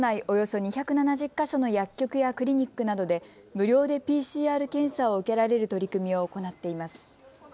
およそ２７０か所の薬局やクリニックなどで無料でＰＣＲ検査を受けられる取り組みを行っています。